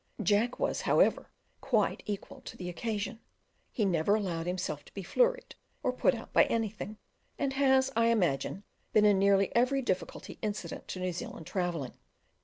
Jack was, however, quite equal to the occasion; he never allows himself to be flurried or put out by anything, and has, I imagine, been in nearly every difficulty incident to New Zealand travelling.